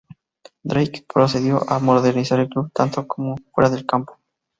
Drake procedió a modernizar el club, tanto dentro como fuera del campo.